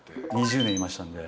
２０年いましたんで。